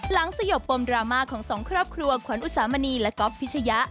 สยบปมดราม่าของสองครอบครัวขวัญอุสามณีและก๊อฟพิชยะ